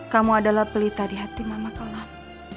kamu adalah pelita di hati mama kalah